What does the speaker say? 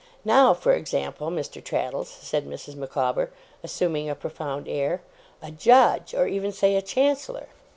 Now, for example, Mr. Traddles,' said Mrs. Micawber, assuming a profound air, 'a judge, or even say a Chancellor.